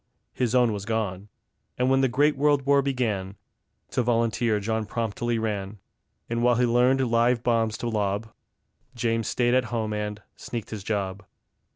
his own was gone. And when the great World War began, To volunteer John promptly ran; And while he learned live bombs to lob, James stayed at home and sneaked his job.